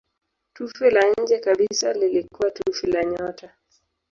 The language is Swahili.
Tufe la nje kabisa lilikuwa tufe la nyota.